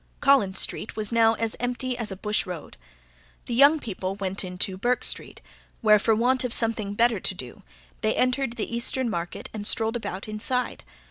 Collins Street was now as empty as a bush road. The young people went into Bourke Street, where, for want of something better to do, they entered the Eastern Market and strolled about inside.